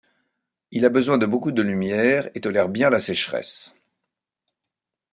Il a besoin de beaucoup de lumière et tolère bien la sécheresse.